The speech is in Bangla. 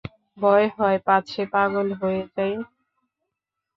ভয় হয় পাছে পাগল হয়ে যাই।